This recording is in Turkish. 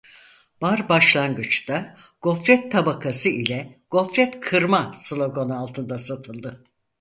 Bar başlangıçta "Gofret tabakası ile gofret kırma" sloganı altında satıldı.